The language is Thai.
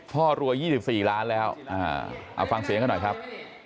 รวย๒๔ล้านแล้วเอาฟังเสียงกันหน่อยครับ